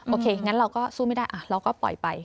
โอเคงั้นเราก็สู้ไม่ได้เราก็ปล่อยไป